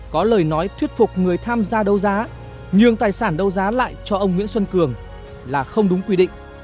có lời nói thuyết phục người tham gia đấu giá nhường tài sản đấu giá lại cho ông nguyễn xuân cường là không đúng quy định